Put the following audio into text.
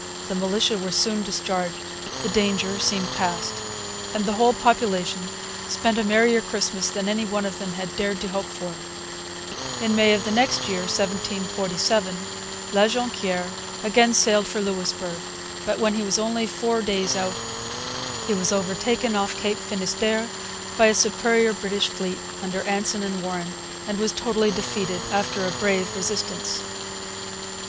The militia were soon discharged. The danger seemed past. And the whole population spent a merrier Christmas than any one of them had dared to hope for. In May of the next year, 1747, La Jonquiere again sailed for Louisbourg. But when he was only four days out he was overtaken off Cape Finisterre by a superior British fleet, under Anson and Warren, and was totally defeated, after a brave resistance.